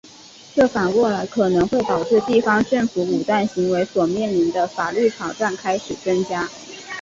这反过来可能会导致地方政府武断行为所面临的法律挑战开始增加。